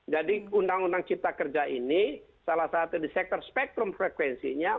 undang undang cipta kerja ini salah satu di sektor spektrum frekuensinya